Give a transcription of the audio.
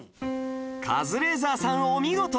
カズレーザーさんお見事！